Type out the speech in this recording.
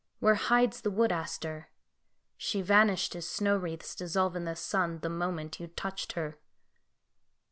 Where hides the wood aster? She vanished as snow wreathes dissolve in the sun The moment you touched her."